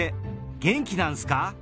元気なんすか？